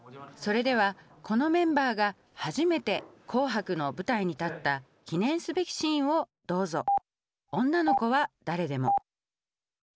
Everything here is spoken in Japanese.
それではこのメンバーが初めて「紅白」の舞台に立った記念すべきシーンをどうぞ。